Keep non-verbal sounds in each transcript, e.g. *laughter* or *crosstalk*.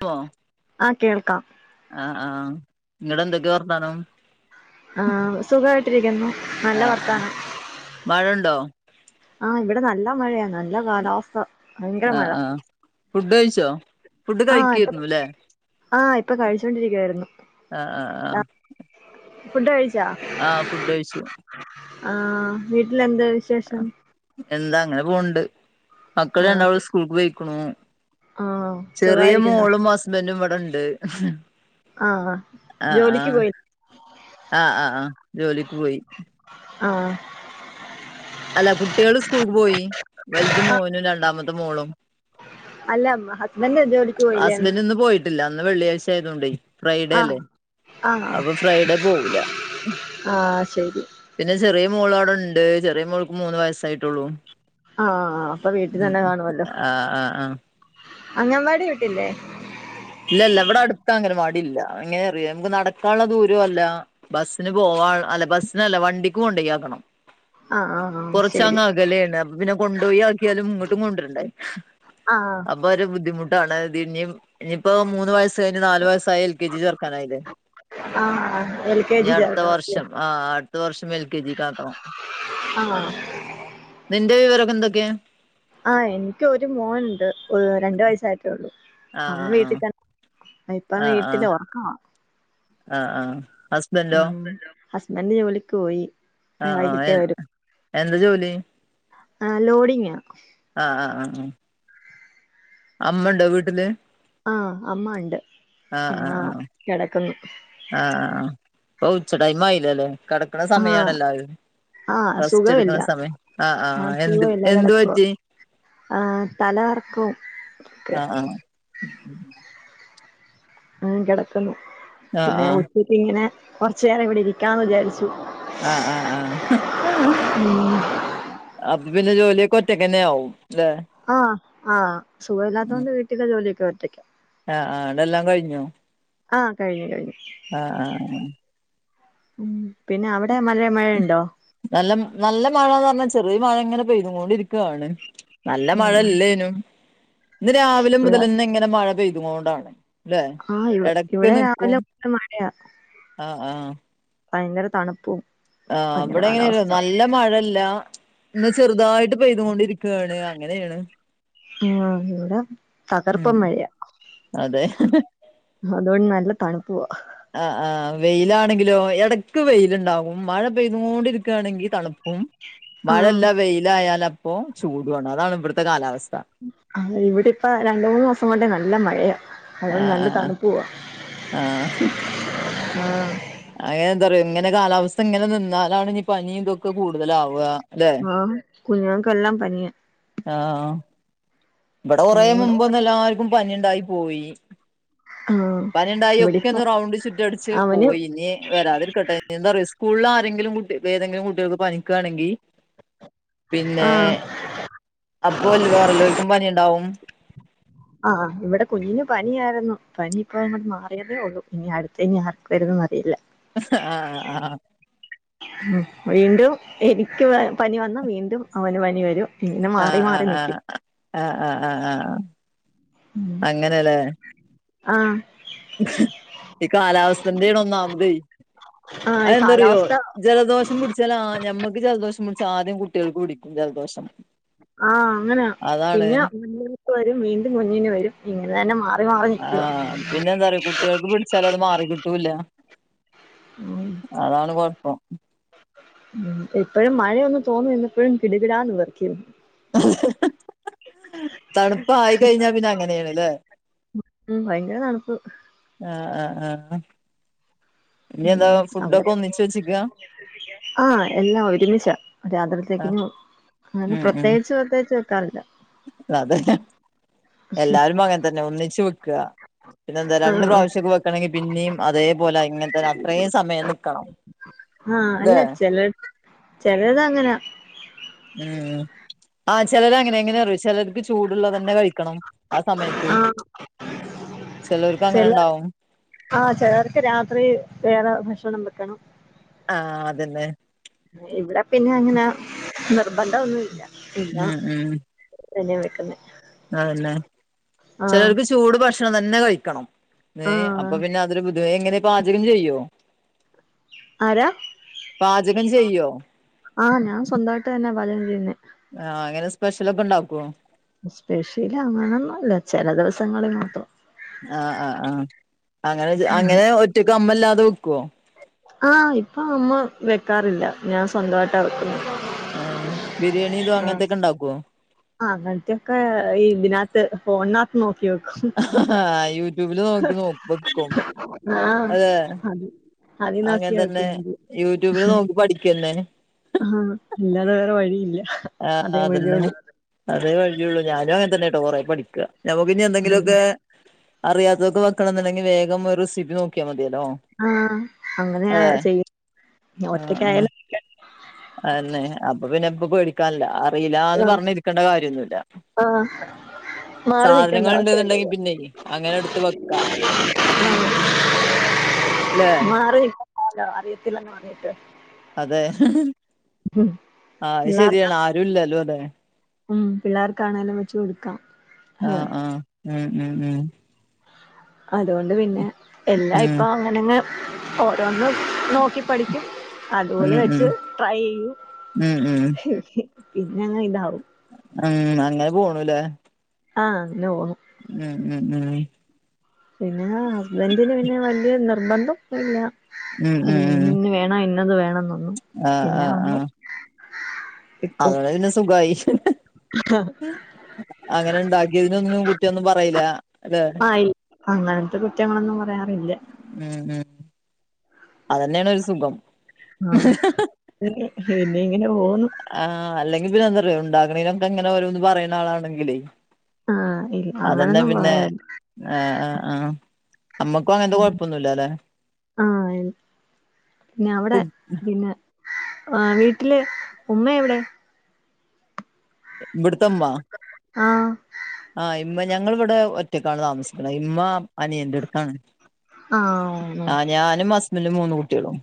പ്പോ ആഹ് കേൾക്കാം ആഹ് ആഹ് ങ്ങട് എന്തൊക്കെ വർത്താനം ആഹ് സുഖായിട്ടിരിക്കുന്നു നല്ല ആഹ് വർത്താനം മഴണ്ടോ ആഹ് ഇവിടെ നല്ല മഴയാണ് നല്ല കാലാവസ്ഥ ഭയങ്കര മഴ ആഹ് ആഹ് ഫുഡ് കഴിച്ചോ ഫുഡ് കഴിക്കരുന്നുല്ലേ ആഹ് ഇപ്പൊ കഴിച്ചൊണ്ടിരിക്കായിരുന്നു ആഹ് ഫുഡ് കഴിച്ചാ ആഹ് ഫുഡ് കഴിച്ചു ആ വീട്ടില എന്താ വിശേഷം എന്താ അങ്ങനെ പോണ്ട് മക്കൾ ആഹ് രണ്ടാളും സ്കൂൾക്ക് പോയികുണു ആഹ് ചെറിയ സുഖായിരിക്കുന്നോ മോളും ഹസ്ബൻറും ഇവിടെണ്ട് ആഹ് ആഹ് ജോലിക്ക് ആഹ് പോയി ആഹ് ആഹ് ആഹ് ജോലിക്ക് പോയി ആഹ് അല്ല കുട്ട്യേള് സ്കൂൾക്ക് പോയി വലുത് മോനും രണ്ടാമത്തെ മോളും അല്ലം ഹസ്ബൻഡ് ജോലിക്ക് പോയില്ലേന്ന് ല്ല ഇന്ന് വെള്ളിയഴ്ച ആയതോണ്ടേ ഫ്രൈഡേ ആഹ് അല്ലേ ആഹ് അപ്പൊ ഫ്രൈഡേ പോവൂല ആഹ് ശരി പിന്നെ ചെറിയ മോൾ അവിടെണ്ട് ചെറിയ മോൾക്ക് മൂന്ന് വയസായിട്ടുള്ളൂ ആഹ് ആഹ് അപ്പൊ വീട്ടി തന്നെ കാണുവല്ലോ ആഹ് ആഹ് ആഹ് അങ്ങൻവാടി വീട്ടില്ലേ ഇല്ലല്ല ഇവിടെ അടുത്ത അംഗൻവാടി ഇല്ല എങ്ങനെറിയാ നമുക്ക് നടക്കാനുള്ള ദൂരോ അല്ല ബസ്സിന് പോവാള് അല്ല ബസ്സിനല്ല വണ്ടിക്ക് കൊണ്ടയ് ആക്കണം ആഹ് ആഹ് ആഹ് കൊറച്ച അങ്ങ് അകലെയാണ് അപ്പ പിന്നെ കൊണ്ടോയി ആക്കിയാലും ഇങ്ങോട്ടും കൊണ്ടരണ്ട ആഹ് അപ്പൊ ഒരു ബുദ്ധിമുട്ടാണ് തിഇനിയും ഇനിയിപ്പോ മൂന്ന് വയസ് കഴിഞ്ഞ നല് വയസ്സായി എൽ കെ ജി ചേർക്കാനായില്ലേ ആഹ് ആഹ് എൽ കെ ഇനി ജി അടുത്ത ചേർക്കണം അല്ലേ വർഷം ആഹ് അടുത്ത വർഷം എൽ കെ ജിക്ക് ആക്കണം ആഹ് നിന്റെ വിവരംക്കെ എന്തൊക്കെയാ ആഹ് എനിക്ക് ഒരു മോൻണ്ട് രണ്ടു വയസ്സായിട്ടേള്ളൂ ആ അവൻ ആ വീട്ടി തന്നെ അഇപ്പം വീട്ടില് ഒർക്കവാ ആഹ് ആഹ് ഹസ് ഉം ഹസ്ബൻഡ് ജോലിക്ക് പോയി ആ, ആഹ് ആഹ് എ വൈകിട്ടേ വരൂ എന്താ ജോലി ആഹ് ലോഡിങ്ങാ ആഹ് ആഹ് ആഹ് ആഹ് അമ്മണ്ടോ വീട്ടില് ആഹ് അമ്മ ഇണ്ട് ആ ആ അമ്മ ആ കെടക്കുന്നു ആഹ് ഇപ്പൊ ഉച്ചടൈം ആയില്ലല്ലേ കടക്ക്ണ ആഹ് സമയാണെല്ലാരും. ആഹ് റസ്റ്റ് സുഖമില്ല ഇട്ക്കുന്ന സമയം ആഹ് ആഹ് എന്ത് സുഖമില്ല എന്ത് കിടക്കുവാ പറ്റി ആഹ് തലകർക്കവും ഒക്കെയാ ആഹ് ആഹ് ആഹ് കെടക്കുന്നു പിന്നെ ആഹ് ഉച്ചക്ക് ഇങ്ങനെ കൊറച്ചു നേരം ഇവിടെ ഇരിക്കാന്ന് വിചാരിച്ചു. ആഹ് ആഹ് ആഹ് ഉം അപ്പൊ പിന്നെ ജോലിയൊക്കെ ഒറ്റക്കന്നെ ആവും ല്ലെ ആഹ് ആഹ് സുഖമല്ലാത്തോണ്ട് വീട്ടിലെ ജോലിയൊക്കെ ഒറ്റക്കാ ആഹ് ആഹ് അതെല്ലാം കഴിഞ്ഞോ ആഹ് കഴിഞ്ഞു കഴിഞ്ഞു ആഹ് ആഹ് ഉം പിന്നെ അവ ടെ മല മഴണ്ടോ നല്ല നല്ല മഴാന്ന് പറഞ്ഞാ ചെറിയ മഴ ഇങ്ങനെ പെയ്ത്ങ്ങൊണ്ടിരിക്കാണ്. നല്ല മഴ ഉം ഇല്ലേനും ഇന്ന് രാവിലെ ഇവിടെ മുതലന്നെങ്ങനെ മഴ പെയ്ത്ങ്ങോണ്ടാണ്. ആഹ് ഇവ ഇവിടെ രാവിലെ മുതൽ മഴയാ ആഹ് ആഹ് ഭയങ്കര തണുപ്പും ആഹ് ഭയങ്കര ഇബടെ ങ്ങനെയാറിയോ കാലാവസ്ഥ നല്ല മഴല്ല ഇന്ന് ചെറുതായിട്ട് പെയ്തുകൊണ്ടിരിക്കാണ് അങ്ങനെണ് ആഹ് ഇവടെ ഉം തകർപ്പം മഴയാ അതെ അതുകൊണ്ട് നല്ല തണുപ്പുവാ ആഹ് ആഹ് വെയിലാണെങ്കിലോ എടക്ക് വെയില്ണ്ടാകും മഴ പെയതോണ്ടിരിക്കാണെങ്കി തണുപ്പ് ഉം മഴ ആഹ് ഇല്ലാ വെയിലായാലപ്പോ ചൂടാണ് അതാണ് ഇബട്ത്തെ കാലാവസ്ഥ ആഹ് ഇവിടെപ്പ രണ്ട് മൂന്നോസം കൊണ്ട് നല്ല മഴയാ അതോണ്ട് ആഹ് നല്ല ആഹ് തണുപ്പോവാ ആഹ് ആഹ് അങ്ങനെ എന്താ പറയാ ഇങ്ങനെ കാലാവസ്ഥ ഇങ്ങനെ നിന്നാലാണ് ഇനി പനി ഇതൊക്കെ കൂടുതലാവ അല്ലേ? ആഹ് കുഞ്ഞുങ്ങക്കെല്ലാം പനിയ ആഹ് ഇവടെ കൊറേ പനിയും മുമ്പൊന്ന് എല്ലാവർക്കും പനിണ്ടായി പോയി. ആഹ് പനിണ്ടായി ഒക്കെ ഇവിടിപ്പ ഒന്ന് റൗണ്ട് ചുറ്റടിച്ച് അവന് പോയി ഇനി വരാതിക്കട്ടെ. എന്താ പറയാ സ്കൂള്ല് ആരെങ്കിലും കുട്ടിക്ക് ഏതെങ്കിലും കുട്ടികൾക്ക് പനിക്കാണെങ്കി പിന്നെ ആഹ് അപ്പോല്ലെ വേറെല്ലോൽക്കും പനിയുണ്ടാവും. ആഹ് ഇവിടെ കുഞ്ഞിന് പനിയായിരുന്നു പനി ഇപ്പ അങ്ങട് മാറിയതേ ഉള്ളൂ ഇനി അടുത്ത ഞാൻ വരുന്നെന്ന് അറിയില്ല. ആഹ് ആഹ് ഉം വീണ്ടും എനിക്ക് പ പനി വന്നാ വീണ്ടും അവന് പനി വരും. പിന്നെ മാറി ആഹ് ആഹ് മാറി ആഹ് നിക്കും. ആഹ് ആഹ് ആഹ് ആഹ് ഉം അങ്ങനെല്ലേ ആഹ് ഈ കാലാവസ്ഥന്റൊണ് ഒന്നാമതെയ് ആഹ് ഈ അഹന്താറിയോ കാലാവസ്ഥ ജലദോഷം പുടിച്ചാൽ ആദ്യം ഞമ്മക്ക് ജലദോഷം പുടിച്ചാൽ ആദ്യം കുട്ടേൾക്ക് പുടിക്കും ജലദോഷം. ആഹ് അങ്ങനെയാ അതാണ് പിന്നെ *unintelligible* വരും വീണ്ടും കുഞ്ഞിന് വരും ഇങ്ങനെ തന്നെ മാറി മാറി നിക്കുവാ പിന്നെന്താറിയോ കുട്ടേൾക്ക് പിടിച്ചാല് അത് മാറി കിട്ടൂല്ല. ഉം അതാണ് കൊഴപ്പം ഉം ഇപ്പഴും മഴയൊന്ന് തോർന്നുംന്നിപ്പോഴും കിടുകിടാന്ന് വെർക്ക്ന്നു ഹെ തണുപ്പായി കഴിഞ്ഞാ പിന്നെ അങ്ങനേണ്ല്ലേ ഉം ഭയങ്കര തണുപ്പ് ആഹാഹ് ആഹ് ഇന്യതാ ഉം അവിടെ ഫുഡൊക്കൊന്നിച്ച് വെച്ച്ക്കാ ആഹ് എല്ലാം ഒരുമിച്ച രാ ആഹ് ത്രിത്തേക്കിനും അത് പ്രത്യേകിച്ച് പ്രത്യേകിച്ച് വെക്കാറില്ല അതന്നെ എല്ലാരും പ്പ ങ്ങൻതന്നെ ഒന്നിച്ച് വെക്കാ പിന്നെന്താ രണ്ട് ആഹ് പ്രാവശ്യൊക്കെ വെക്കണെങ്കി പിന്നെം അതേപോലെ ഇങ്ങൻത്തന്നെ അത്രേ സമയം നിക്കണം ആഹ് ല്ലേ അല്ലച്ച ചെലതങ്ങനെ ഉം ആഹ് ചെലരങ്ങനെ എങ്ങനെറിയോ ചിലർക്ക് ചൂടുള്ളതന്നെ കഴിക്കണം ആ സമയത്ത് ആഹ് ചിലർക്ക് ചെലർ അങ്ങനെണ്ടാവും. ആഹ് ചെലർക്ക് രാത്രി വേറെ ഭക്ഷണം വെക്കണം. ആ അതന്നെ ഇവിടെ പിന്നെ അങ്ങനെ നിർബന്ധം ഒന്നുംല്ല ഇല്ല ഉം ഉം തന്നെ വിളിക്കുന്നേ അതന്നെ ചിലർക്ക് ചൂട് ഭക്ഷണം തന്നെ കഴിക്കണം ആഹ് അപ്പൊ പിന്നെ അതരു ബുദ്ധിമു- എങ്ങനെ പാചകം ചെയ്യോ? ആരാ? പാചകം ചെയ്യോ? ആഹ് ഞാൻ സ്വന്തായിട്ട് തന്നെ വലം ചെയ്യുന്നേ ആഹ് എങ്ങനെ സ്പെഷ്യലൊക്കെ ഇണ്ടാക്കോ സ്പെഷ്യലങ്ങനൊന്നുംല്ല ചെല ദിവസങ്ങളിൽ മാത്രം ആഹ് ആ് ആഹ് അങ്ങനെ അങ്ങനെ ഒറ്റക്ക് അമ്മല്ലാതെ വെക്കുവോ ആഹ് ഇപ്പൊ അമ്മ വെക്കാറില്ല ഞാൻ സ്വന്തമായിട്ടാ വെക്കുന്നു ആ ബിരിയാണിയുമ് അങ്ങൻത്തൊക്കെണ്ടാക്കോ അങ്ങൻത്തൊക്കെ ഇതിനകത്ത് ഫോണിനകത്ത് നോക്കി വെക്കും യൂട്യൂബില് നോക്കി നോ വെക്കും ആഹ് അതെ അത് അതിൽ നോക്കിയാ വെക്ക്ന്നത് പഠിക്കെന്നേ ആഹ് അല്ലാതെ വേറെ വഴിയില്ല ആ അതേ അതന്നെ വഴിയൊള്ളൂ. അതേ വഴിയുള്ളൂ ഞാനും അങ്ങനൻ തന്നെട്ടോ കുറെേ പഠിക്ക ഞമ്മക്കഞ്ഞെന്തെങ്കിലൊക്കെ അറിയാത്തതക്കെ വെക്കണം ന്നുണ്ടെങ്കിൽ വേഗം ഒരു റെസിപ്പി നോക്കി ക്കിയാ മതില്ലോ ആഹ് അങ്ങനെയാ അതെ ചെയ്യ ആഹ് ആഹ് ഒറ്റക്കായാലും അന്നെ അപ്പൊ പിന്നെപ്പേടിക്ക ക്കാൻല്ല അറീല്ലാന്ന് പർഞ്ഞിരിക്കേണ്ട കാര്യൊന്നുല്ല അഹ് സാധനങ്ങൾണ്ടെന്നുണ്ടെങ്കി പിന്നെയ് അങ്ങനെട്ത്ത് വെക്കാ അല്ലെ മാറി അറിയത്തില്ലെന്ന് പറഞ്ഞീട്ട് അതെ ആ അത് പിള്ളേർക്ക് ശരിയാണ് ആരുല്ലല്ലോ അതെ ഉം പിള്ളേർക്കാണെങ്കിലും വെച്ച് കൊടുക്കാം ആ ആഹ് ഉം ഉം ഉം അതോണ്ട് പിന്നെ എല്ലാ ഇപ്പ ഉം അങ്ങനങ്ങ് ഓരോന്ന് നോക്കി പഠിക്കും അതുപോലെ ഉം വെച്ച് ഉം ട്രൈ ചെയ്യും ഉം ഉം പിന്നങ്ങിതാവും ഉം അങ്ങനെ പോണൂല്ലേ ആഹ് അങ്ങനെ പോണു ഉം ഉം ഉം പിന്നെ ഹസ്ബൻറിന് പിന്നെ വല്യ നിർബന്ധം ഇല്ല ഉം ഉം ഉം ഇന്ന് വേണ ഇന്നത് വേണംന്നോന്നും ആഹ് പിന്നെ നമ്മള് വെക്കും അതോടെ പിന്നെസുഖായി. *unintelligible* അങ്ങനെഇണ്ടാക്കിയതിനൊന്നും കുറ്റൊന്നും പറയിലാലേ ആ ഇല്ല അങ്ങനത്തെ കുറ്റങ്ങളൊന്നും പറയാറില്ല. മ്, മ് അതെന്നെണ് ഒര്സുഖം. ആഹ് ദ് പിന്നെങ്ങനെ പോവുന്നു. ആഹ് അല്ലെങ്കിൽപിന്നെന്താറിയോ ഇണ്ടാക്കീനൊക്കെങ്ങനെ ഓരോന്ന് പറയ്ണ ആളാണെങ്കിലെയ്. ആ ഇല്ല അങ്ങനൊന്നും അതെന്നെപിന്നെ പറയാറില്ല ഏഹ്, അഹ്, അഹ് അമ്മക് ഇപ്പോ അങ്ങൻത്തെ കൊയപ്പോന്നൂല്ലാലേ ആ കു ആഹ് വീട്ടില് ഉമ്മഎവിടെ? ഇവിടത്തെ ഉമ്മ ആഹ് ആഹ് ഇമ്മ ഞങ്ങളിവിടെ ഒറ്റക്കാണ് താമസിക്കുന്നത് ഇമ്മ അനിയന്റെടുത്താണ്. ആ ഉം. ആഹ് ഞാനും ഹുസ്ബൻഡും മൂന്ന് കുട്ടിയാളും.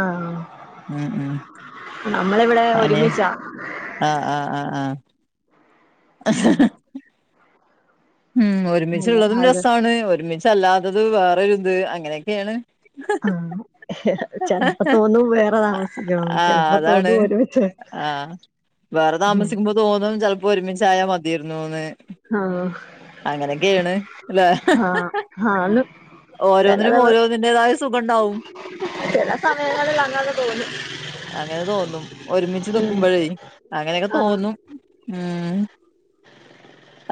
ആഹ് അനെ നമ്മളിവിടെഒരുമിച്ചാ ആഹ്, ആഹ്, ആഹ്, ആഹ് ഹ്മ് അതെ ഒരുമിച്ച്ള്ളതും അത് രെസാണ് ഒരുമിച്ചല്ലാത്തത് വേറൊരുഇത് അങ്ങനെയൊക്കെയേണ്. ആഹ് ചെലപ്പോ തോന്നുംവേറെ താമസിക്കണം ചെലപ്പോതോന്നും ഒരുമിച്ച് ഉം. വേറെതാമസിക്കുമ്പോ തോന്നും ചെൽപ്പോ ഒരുമിച്ചായാമതിയാര്ന്നൂന്ന്. ആഹ് അങ്ങനെക്കെണ് ല്ലേ ആന്ന് ഓരോന്നിനും ഓരോന്നിന്റേതായ സുഖണ്ടാവും. ചെലെ സമയങ്ങളിൽഅങ്ങനെതോന്നു അങ്ങനെതോന്നും ഒരുമിച്ച് നിക്കുമ്പയേ ആഹ് അങ്ങനെയൊക്കെതോന്നും ഉം.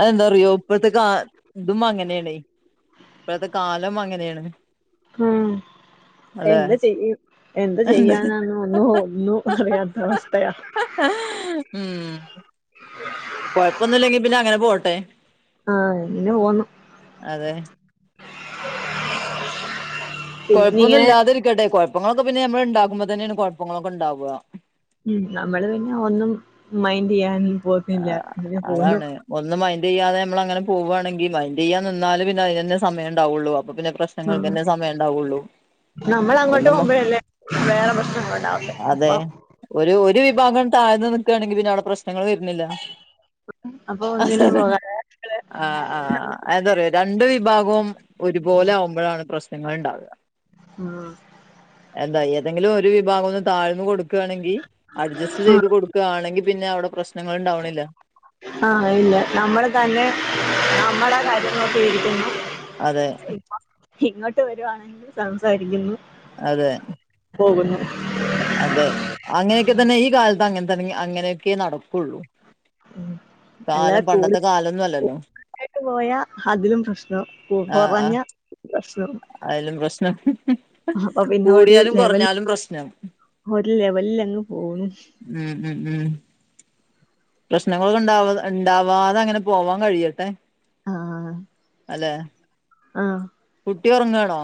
അതെന്താറിയോ ഇപ്പത്തെകാ ഇതും അങ്ങനെണേയ്. ഇപ്പഴത്തെ കാലംഅങ്ങനെയേണ്. ഉം എന്ത്‌ചെയ്യും എന്ത് എന്താചെയ്യാനാണ്. അന്ന് ഒന്നും അറിയാത്തഅവസ്ഥയ ഉം കൊയപ്പൊന്നുല്ലെങ്കി പിന്നെങ്ങനെ പോട്ടെ ആഹ് അങ്ങനെപോവുന്നു. അതെ കൊയപ്പൊന്നും പിന്നിങ്ങനെ ഇല്ലാതെരിക്കട്ടെ കൊയപ്പങ്ങള്ളൊക്കെ പിന്നെഞമ്മള് ഇണ്ടാക്കുമ്പോ തെന്നെണ് കുഴപ്പങ്ങളൊക്കെണ്ടാവ ഉം നമ്മള്പിന്നെ ഒന്നുമൈൻന്റെയ്യാനും പോവുന്നില്ല അങ്ങനെപോവുന്നു. അതാണ് ഒന്ന് മൈന്റെയ്യതെ ഞമ്മൾ അങ്ങനെ പോകവാണെങ്കിൽ മൈന്റെയ്യാൻ നിന്നാല് പിന്നെ അയ്നെന്നേ സമയണ്ടാവൊള്ളൂ അപ്പപിന്നെ പ്രഷ് പ്രശ്നങ്ങൾക്കെന്നെ സമയണ്ടാവൊള്ളൂ. ന്നമ്മളങ്ങോട്ട് പോകുമ്പോഴല്ലേ വേറെ പ്രശ്നങ്ങൾഉണ്ടാവുന്നേ അതെ അപ്പൊ ഒരു ഒര് വിഭാഗം താഴ്ന്ന് നിക്കാണെങ്കി പിന്നെഅവിടെ പ്രശ്നങ്ങൾവെര്ണില്ല. അപ്പൊ ഒന്നിനും ആഹ്, പോകാതെ ആഹ് എന്താറിയോ രണ്ട് വിഭാഗോ ഒരുപോലെയാകുമ്പയാണ് പ്രശ്നങ്ങൾ ഇണ്ടാവാ. ആഹ് എന്താ ഏതെങ്കിലും ഒര് വിഭാഗോന്ന് താഴ്ന്ന് കൊട്ക്കാണെങ്കിൽ അഡ്ജസ്റ്റ് ആഹ് ചെയ്ത്കൊട് ക്കാണെങ്കി പിന്നെ അവടെ പ്രശ്നങ്ങൾ ഇണ്ടാവ്ണില്ല. ആഹ് ഇല്ല ന്നമ്മൾതന്നെ ന്നമ്മടെ കാര്യം നോക്കിരിക്കണം. അതെ ഇങ്ങോട്ട് വെരുവാണെങ്കിൽ സംസാരിക്കുന്നു. അതെ പോകുന്നു. അതെ അങ്ങനെയൊക്കെതെന്നെ ഈ കാലത്ത് അങ്ങനെതെ അങ്ങനെയൊക്കെനടക്കൊള്ളൂ. കാലം പണ്ടെത്തെകാലൊന്നുല്ലല്ലോ? ട്ട്പോയ അതിലുംപ്രശ്ണം കു കൊറഞ്ഞ പ്രശ്ണം അയ്ലും പ്രശ്നംകൂടിയാലും കൊറഞ്ഞാലും പ്രശ്നം ഒര് ലെവൽ അങ്ങ് പോകു ഉം ഉം ഉം പ്രശ്നങ്ങളൊക്കെ ഉണ്ടാവാ ഉണ്ടാവാതെ അങ്ങനെ പോവാൻ കഴിയട്ടെ ആഹ് ആഹ് അതെ ആഹ് കുട്ടി ഉറങ്ങാണോ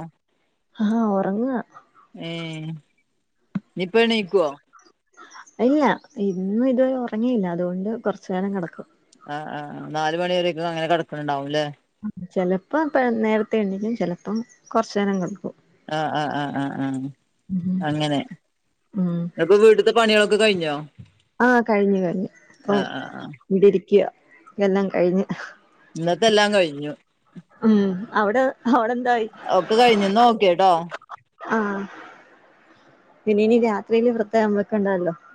ആഹ് ഓറങ്ങ ഏഹ് ഇപ്പൊ എണീക്കൊ ഇല്ല ഇന്ന് ഇത് ഉറങ്ങിയില്ല അതുകൊണ്ട് കുറച്ചു നേരം കിടക്കും ആഹ് ആഹ് നാല് മണി വരേക്കും അങ്ങനെ കിടക്കുന്നുണ്ടാവുല്ലേ ചിലപ്പോപ്പ നേരത്തെ എണീക്കും ചിലപ്പം കുറച്ചു നേരം കെടക്കും ആഹ് ആഹ് ആഹ് ആ ഉം അങ്ങനെ ഉം ഇപ്പൊ വീട്ട് ത്തെ - പണികളൊക്കെ കഴിഞ്ഞോ? ആഹ് കഴിഞ്ഞു കഴിഞ്ഞു ഇപ്പം ആഹ് ആഹ് ആഹ് ഇവിടെ ഇരിക്കുക എല്ലാം കഴിഞ്ഞു ഇന്നത്തെല്ലാം കഴിഞ്ഞു ഉം അവിടെ അവിടെ എന്തായി ഒക്കെ കഴിഞ്ഞു ന്ന് ഒക്കെ ട്ടോ ആഹ് പിന്നനി രാത്രിയില് പ്രേതേകം വെക്കണ്ടല്ലോ